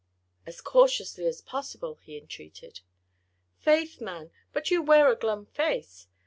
"As cautiously as possible!" he entreated. "Faith, man! but you wear a glum face!